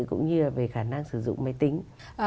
cũng như về khả năng sử dụng máy tính